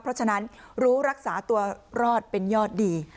เพราะฉะนั้นรู้รักษาตัวรอดเป็นยอดดี